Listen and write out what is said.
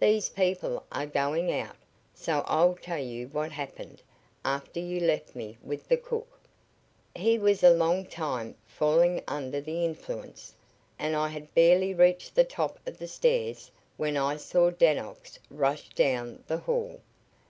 These people are going out, so I'll tell you what happened after you left me with the cook. He was a long time falling under the influence, and I had barely reached the top of the stairs when I saw Dannox rush down the hall.